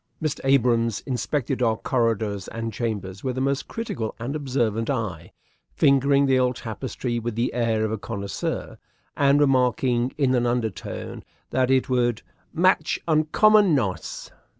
Mr. Abrahams inspected our corridors and chambers with a most critical and observant eye, fingering the old tapestry with the air of a connoisseur, and remarking in an undertone that it would "match uncommon nice."